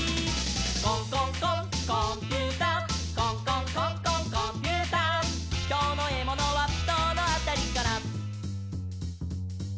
「コンコンコンコンピューター」「コンコンコンコンコンピューター」「きょうのエモノはどのあたりかな」